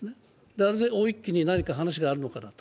あれで一気に何か話があるのかなと。